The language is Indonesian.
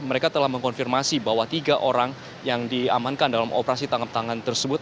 mereka telah mengkonfirmasi bahwa tiga orang yang diamankan dalam operasi tangkap tangan tersebut